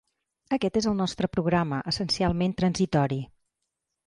Aquest és el nostre programa, essencialment transitori.